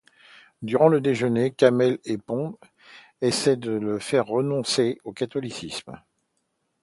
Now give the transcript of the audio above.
Durant le déjeuner, Camel et Pond essaient de le faire renoncer au catholicisme.